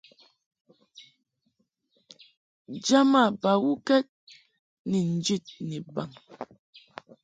Jama bawukɛd ni njid ni baŋ.